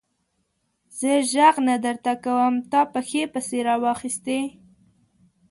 زه ږغ نه درته کوم؛ تا پښې پسې را واخيستې.